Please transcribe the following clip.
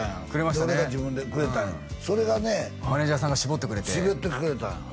これが自分でくれたんやマネージャーさんが絞ってくれて絞ってくれたんよ